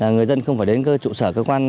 người dân không phải đến chủ sở cơ quan